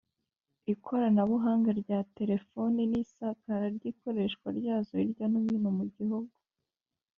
ikoranabuhanga rya terefoni n’isakara ry’ikoreshwa ryazo hirya no hino mu gihugu